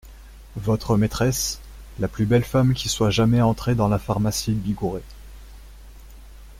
Votre maîtresse… la plus belle femme qui soit jamais entrée dans la pharmacie Bigouret.